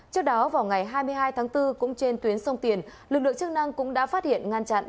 trước đó vào ngày hai mươi hai tháng bốn cũng trên tuyến sông tiền lực lượng chức năng cũng đã phát hiện ngăn chặn